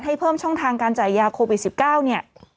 ให้เพิ่มช่องทางการจ่ายยาโควิด๑๙